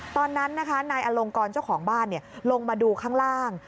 ตอนนั้นนะคะนายอลงกรเจ้าของบ้านลงมาดูข้างล่าง